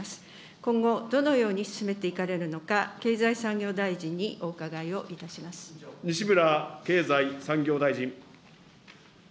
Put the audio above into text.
今後、どのように進めていかれるのか、経済産業大臣にお伺いをい西村経済産業大臣。